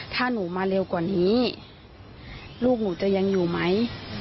ถ้าหนูมาเร็วกว่านี้ลูกหนูจะยังอยู่ไหม